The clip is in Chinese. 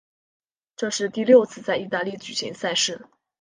这是第六次在意大利举行赛事。